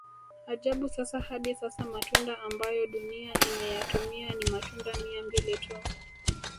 Ajabu sasa hadi sasa matunda ambayo dunia imeyatumia ni matunda mia mbili tu